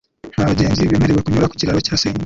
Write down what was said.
Nta bagenzi bemerewe kunyura ku kiraro cya senyutse